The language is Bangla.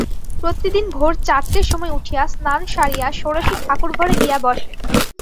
প্রতিদিন ভোর চারটের সময় উঠিয়া স্নান সারিয়া ষোড়শী ঠাকুরঘরে গিয়া বসে।